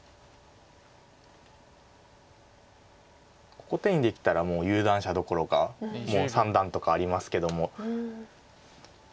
ここ手にできたらもう有段者どころかもう３段とかありますけども。